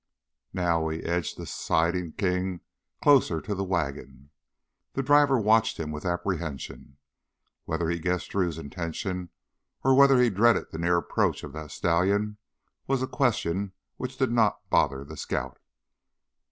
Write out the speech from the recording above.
Now he edged the sidling King closer to the wagon. The driver watched him with apprehension. Whether he guessed Drew's intention or whether he dreaded the near approach of the stallion was a question which did not bother the scout.